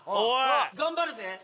頑張るぜ！